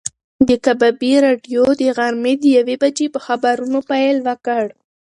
د کبابي راډیو د غرمې د یوې بجې په خبرونو پیل وکړ.